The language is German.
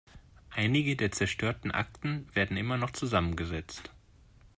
Einige der zerstörten Akten werden immer noch zusammengesetzt.